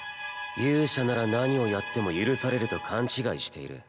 勇者なら何をやっても許されると勘違いしている。